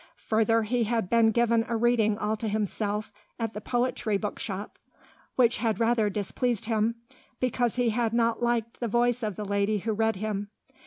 Further, he had been given a reading all to himself at the Poetry Bookshop, which had rather displeased him, because he had not liked the voice of the lady who read him.